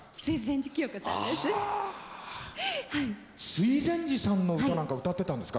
水前寺さんの歌なんか歌ってたんですか？